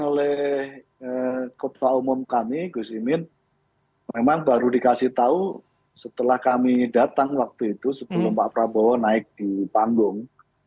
oleh ketua umum kami gus imin memang baru dikasih tahu setelah kami datang waktu itu sebelum pak prabowo naik di panggung